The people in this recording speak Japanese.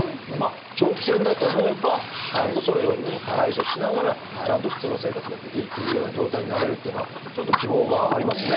長期戦だと思えばちゃんとそれ用に対処しながらちゃんと普通の生活ができるというような状態になれるというのはちょっと希望がありますね。